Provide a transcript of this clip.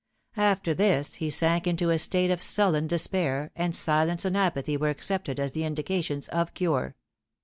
After this he sank into a state of sullen despair, and silence and apathy were accepted as the indications of cure.